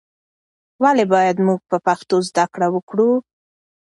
ولې باید موږ په پښتو زده کړه وکړو؟